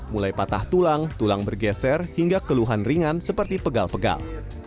mulai patah tulang tulang bergeser hingga keluhan ringan seperti pegal pegal